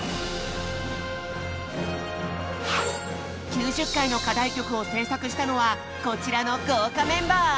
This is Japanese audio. ９０回の課題曲を制作したのはこちらの豪華メンバー。